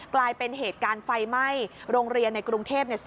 กลายเป็นเหตุการณ์ไฟไหม้โรงเรียนในกรุงเทพเนี่ย